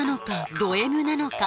ドＭなのか？